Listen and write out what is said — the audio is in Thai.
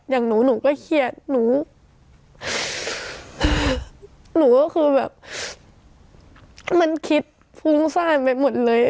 อย่างหนูหนูก็เครียดหนูหนูก็คือแบบมันคิดฟุ้งซ่านไปหมดเลย